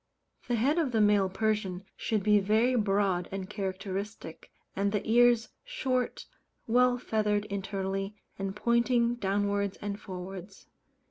The head of the male Persian should be very broad and characteristic; and the ears short, well feathered internally, and pointing downwards and forwards.